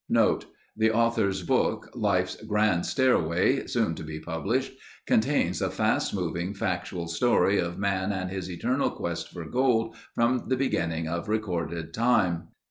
Note. The author's book, Life's Grand Stairway soon to be published, contains a fast moving, factual story of man and his eternal quest for gold from the beginning of recorded time.